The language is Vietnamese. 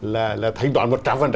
là thanh toán một trăm linh